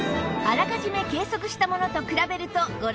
あらかじめ計測したものと比べるとご覧のとおり